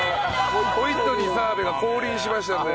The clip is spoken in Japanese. ホイットニー澤部が降臨しましたんで。